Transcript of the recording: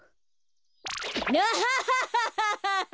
アハハハハハハ！